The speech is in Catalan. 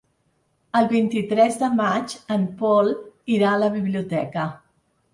El vint-i-tres de maig en Pol irà a la biblioteca.